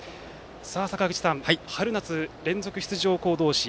坂口さん、春夏連続出場校同士。